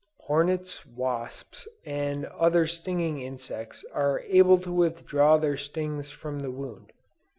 Hornets, wasps and other stinging insects are able to withdraw their stings from the wound.